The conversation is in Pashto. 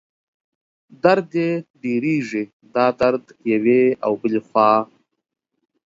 درد یې ډېرېږي، دا درد یوې او بلې خوا